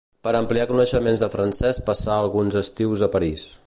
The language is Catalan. Per ampliar coneixements de francès passà alguns estius a París.